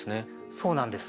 そうなんです。